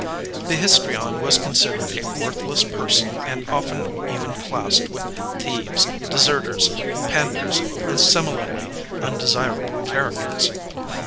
The histrion was considered a worthless person and often even classed with thieves, deserters, panders and similarly undesirable characters.